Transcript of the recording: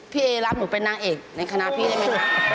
พี่เอรับหนูเป็นนางเอกในคณะพี่ได้ไหมคะ